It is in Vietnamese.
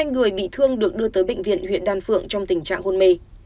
hai người bị thương được đưa tới bệnh viện huyện đan phượng trong tình trạng hôn mê